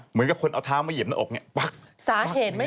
เหมือนกับคนเอาเท้ามาเหยียบในอกอย่างนี้ปั๊กอย่างนี้